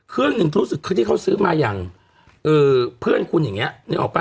เครื่องหนึ่งรู้สึกคือที่เขาซื้อมาอย่างเพื่อนคุณอย่างนี้นึกออกป่